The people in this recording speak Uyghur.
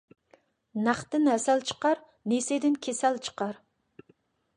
نەقتىن ھەسەل چىقار، نېسىدىن كېسەل چىقار.